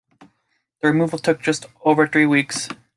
The removal took just over three weeks.